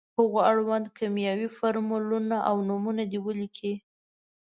هغو اړوند کیمیاوي فورمولونه او نومونه دې ولیکي.